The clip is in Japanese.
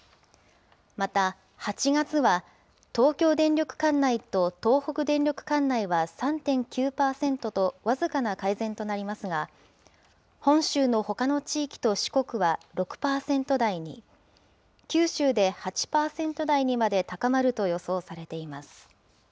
また、８月は東京電力管内と東北電力管内は３．９％と僅かな改善となりますが、本州のほかの地域と四国は６％台に、九州で８％台にまで高まると予想されています。